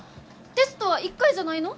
テストは１回じゃないの？